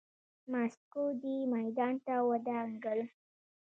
ماسکو دې میدان ته ودانګل.